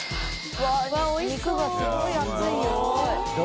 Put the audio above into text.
うわ肉がすごい厚いよ。